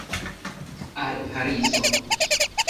Al Parizo!